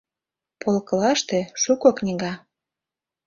Полкылаште — шуко книга.